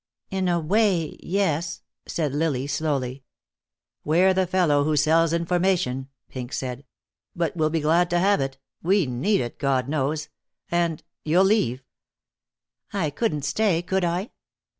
"In a way, yes," said Lily, slowly. "Ware the fellow who sells information," Pink said. "But we'll be glad to have it. We need it, God knows. And you'll leave?" "I couldn't stay, could I?"